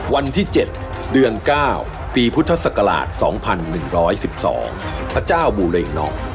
วันที่๗เดือน๙ปีพุทธศักราช๒๑๑๒พระเจ้าบูเรงน็อก